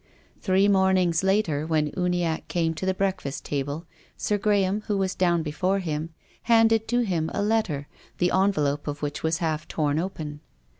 '' Three mornings later, when Uniacke came to the breakfast table. Sir Graham, who was down before him, handed to him a letter, the envelope of which was half torn open.